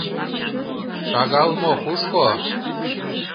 — Шагал мо кушко?